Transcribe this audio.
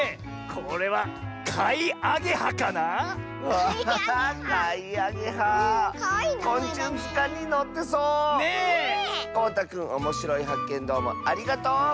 こうたくんおもしろいはっけんどうもありがとう！